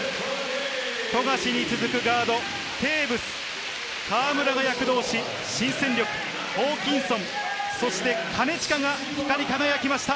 富樫に続くガード、テーブス、河村が躍動し、新戦力・ホーキンソン、そして金近が光り輝きました。